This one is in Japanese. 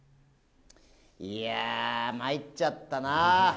いやぁ、参っちゃったな。